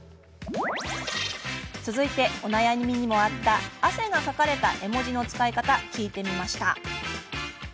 続いて、お悩みにもあった汗が描かれた絵文字の使い方も聞いてみました。